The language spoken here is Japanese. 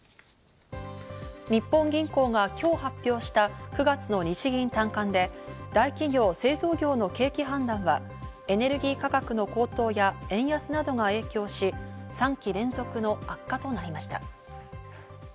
日本銀行が今日発表した９月の日銀短観で、大企業・製造業の景気判断はエネルギー価格の高騰や、円安などが影響し、３期連続の悪化となりました。